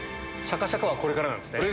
シャカシャカはこれからですね。